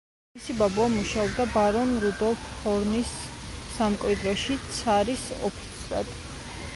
მისი ბაბუა მუშაობდა ბარონ რუდოლფ ჰორნის სამკვიდროში ცარის ოფიცრად.